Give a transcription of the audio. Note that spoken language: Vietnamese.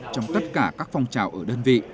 trong tất cả các phong trào ở đơn vị